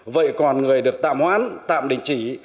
vậy còn người được tạm hoán tạm đình chỉ